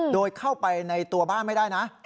โดยเข้าไปในตัวบ้านไม่ได้นะ